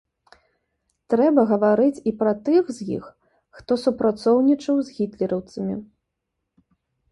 Трэба гаварыць і пра тых з іх, хто супрацоўнічаў з гітлераўцамі.